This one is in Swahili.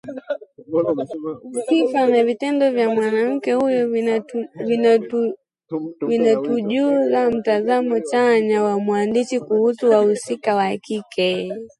Sifa na vitendo vyo mwanamke huyu vinatujuza mtazamo chanya wa mwandishi kuhusu wahusika wa kike